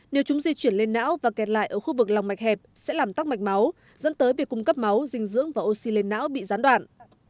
nếu chúng di chuyển lên não và kẹt lại ở khu vực lòng mạch hẹp sẽ làm tắc mạch máu dẫn tới việc cung cấp máu dinh dưỡng và oxy lên não bị gián đoạn